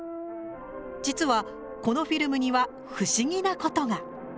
実はこのフィルムには不思議なことが。